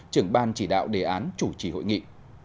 trưởng ban chỉ đạo đề án chủ trì hội nghị